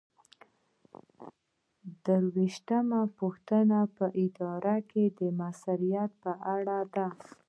درویشتمه پوښتنه په اداره کې د مؤثریت په اړه ده.